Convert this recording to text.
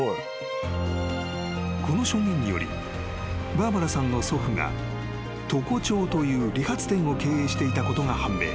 ［この証言によりバーバラさんの祖父が床長という理髪店を経営していたことが判明］